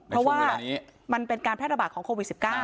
เพราะว่ามันเป็นการแพร่ระบาดของโควิด๑๙